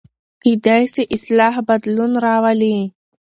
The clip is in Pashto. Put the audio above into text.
کېدای سي اصلاح بدلون راولي.